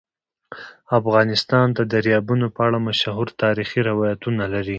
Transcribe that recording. افغانستان د دریابونه په اړه مشهور تاریخی روایتونه لري.